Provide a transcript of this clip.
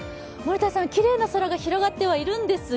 きれいな空が広がってはいるんですが、